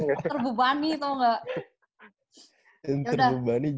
gue terbebani tau gak